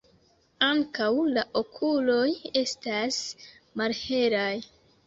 Ankaŭ la okuloj estas malhelaj.